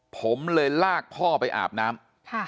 ผมเลยลากพ่อไปอาบน้ำ